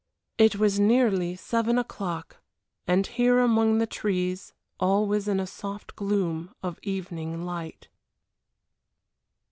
It was nearly seven o'clock, and here among the trees all was in a soft gloom of evening light.